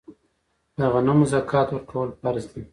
د غنمو زکات ورکول فرض دي.